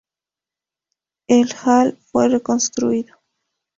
El hall fue reconstruido.